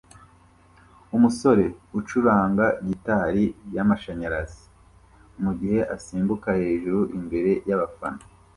umusore ucuranga gitari yamashanyarazi mugihe asimbuka hejuru imbere yabafana